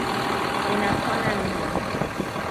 Ina kona nne.